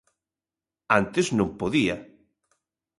Antes non podía.